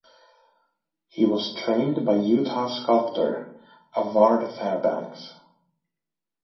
He was trained by Utah sculptor Avard Fairbanks.